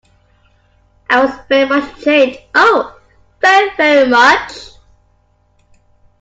I was very much changed — oh, very, very much.